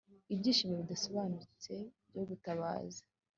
Ibyishimo bidasobanutse byo gutabaza